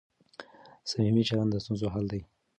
صمیمي چلند د ستونزو حل دی.